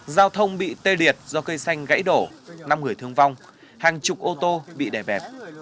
giao thông bị tê liệt do cây xanh gãy đổ năm người thương vong hàng chục ô tô bị đè bẹt